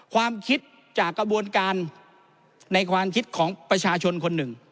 ความคิดจากกระบวนการในความคิดของประชาชนคนหนึ่ง